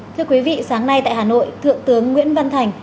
thưa quý vị sáng nay tại hà nội thượng tướng nguyễn văn thành